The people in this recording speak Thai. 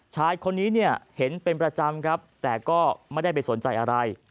ชายคนนี้เนี่ยเห็นเป็นประจำครับแต่ก็ไม่ได้ไปสนใจอะไร